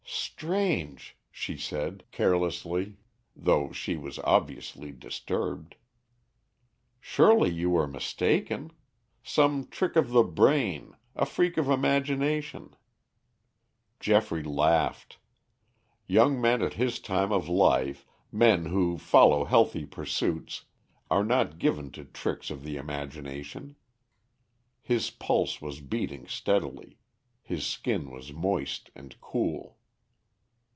"Strange," she said, carelessly, though she was obviously disturbed. "Surely you were mistaken. Some trick of the brain, a freak of imagination." Geoffrey laughed. Young men at his time of life, men, who follow healthy pursuits, are not given to tricks of the imagination. His pulse was beating steadily; his skin was moist and cool.